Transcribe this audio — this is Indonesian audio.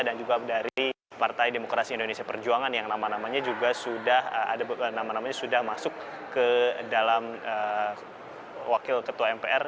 dan juga dari partai demokrasi indonesia perjuangan yang nama namanya juga sudah masuk ke dalam wakil ketua mpr